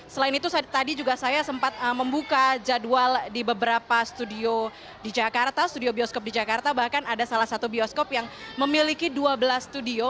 selain itu tadi juga saya sempat membuka jadwal di beberapa studio di jakarta studio bioskop di jakarta bahkan ada salah satu bioskop yang memiliki dua belas studio